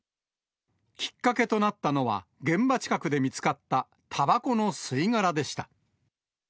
きっかけとなったのは、現場近くで見つかったたばこの吸い殻でした。